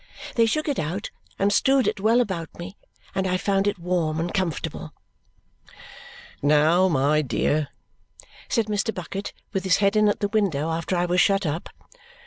They shook it out and strewed it well about me, and I found it warm and comfortable. "Now, my dear," said Mr. Bucket, with his head in at the window after I was shut up.